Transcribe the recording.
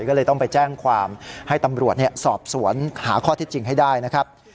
ก็เลยต้องไปแจ้งความให้ตำรวจสอบสวนหาข้อเท็จจริงให้ได้นะครับ